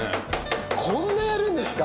こんなやるんですか？